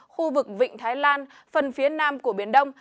khu vực vịnh thái lan phần phía nam của biển đông